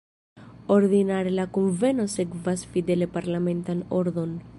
Ordinare la kunveno sekvas fidele parlamentan ordon.